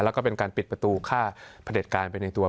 แล้วก็เป็นการปิดประตูค่าผลิตการไปในตัว